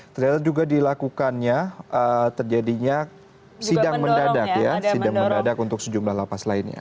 ternyata juga dilakukannya terjadinya sidang mendadak ya sidang mendadak untuk sejumlah lapas lainnya